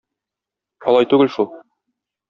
Алай түгел шул.